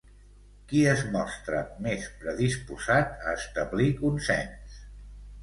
Qui es mostra més predisposat a establir consens?